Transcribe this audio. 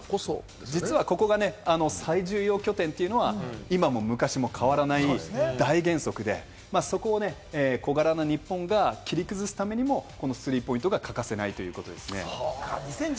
実はここが最重要拠点というのは、今も昔も変わらない大原則で、そこを小柄な日本が切り崩すためにもこのスリーポイントが欠かせないということです。